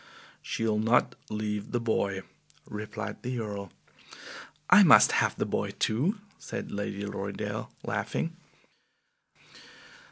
"She'll not leave the boy," replied the Earl. "I must have the boy too," said Lady Lorridaile, laughing.